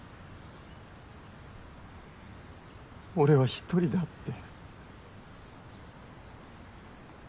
「俺は独りだ」って。